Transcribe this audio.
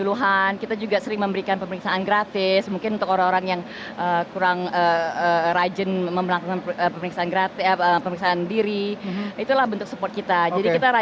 dan kita masih ngomongin soal hari jantung sedunia